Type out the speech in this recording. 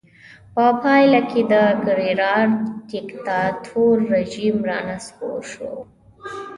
په پایله کې د کرېرارا دیکتاتور رژیم رانسکور شو.